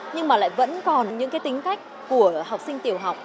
nhưng mà lại vẫn còn những cái tính cách của học sinh tiểu học